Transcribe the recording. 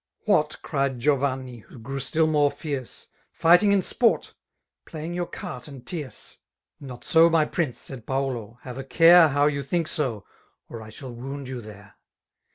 '^ What !" cried Giovanni^ who grew still more fierce, '' Fighting in sport } Playing your cart and tieree r" Not so^ my prin<^e," said Paulo ;'^ have a care How yoii think so^ or I shall wound jon there.